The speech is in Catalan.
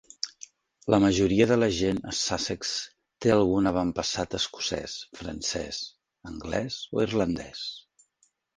La majoria de la gent a Sussex té algun avantpassat escocès, francès, anglès o irlandès.